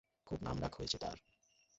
খুব নামডাক হয়েছে তার।